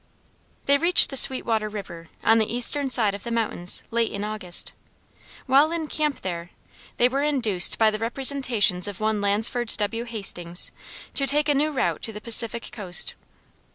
They reached the Sweet Water River, on the eastern side of the mountains, late in August. While in camp there, they were induced, by the representations of one Lansford W. Hastings, to take a new route to the Pacific coast.